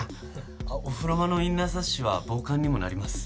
あっお風呂場のインナーサッシは防寒にもなります。